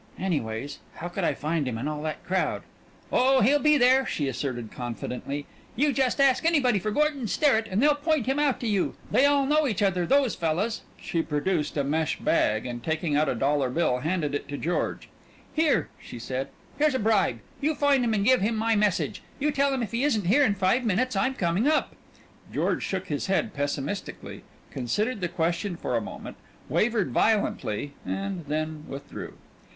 "Anyways, how could I find him in all that crowd?" "Oh, he'll be there," she asserted confidently. "You just ask anybody for Gordon Sterrett and they'll point him out to you. They all know each other, those fellas." She produced a mesh bag, and taking out a dollar bill handed it to George. "Here," she said, "here's a bribe. You find him and give him my message. You tell him if he isn't here in five minutes I'm coming up." George shook his head pessimistically, considered the question for a moment, wavered violently, and then withdrew.